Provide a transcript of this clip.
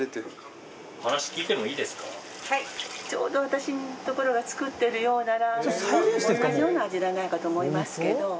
ちょうど私の所が作ってるようなラーメンと同じような味じゃないかと思いますけど。